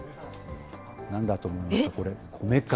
なんだと思いますか？